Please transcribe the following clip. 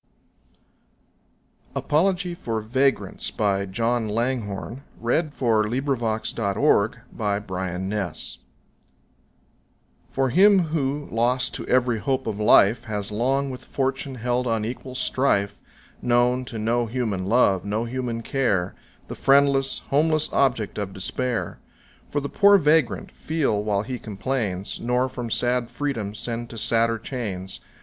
powerful call, At least more lenient let thy justice fall. APOLOGY FOR VAGRANTS For him who, lost to every hope of life, Has long with fortune held unequal strife, Known, to no human love, no human care, The friendless, homeless object of despair; For the poor vagrant, feel while he complains, Nor from sad freedom send to sadder chains.